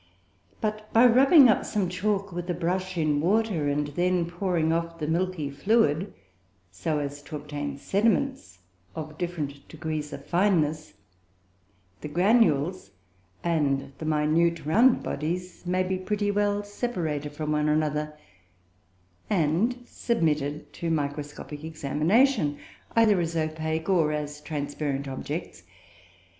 But, by rubbing up some chalk with a brush in water and then pouring off the milky fluid, so as to obtain sediments of different degrees of fineness, the granules and the minute rounded bodies may be pretty well separated from one another, and submitted to microscopic examination, either as opaque or as transparent objects.